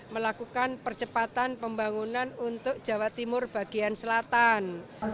melakukan percepatan pembangunan untuk jawa timur bagian selatan